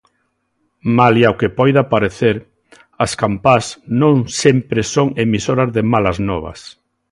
Malia o que poida parecer, as campás non sempre son emisoras de malas novas.